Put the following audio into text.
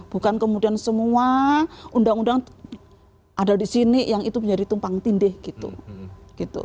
bukan kemudian semua undang undang ada di sini yang itu menjadi tumpang tindih gitu